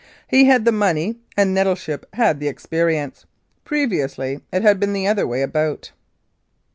He had the money and Nettleship had the experience. Previously it had been the other way about.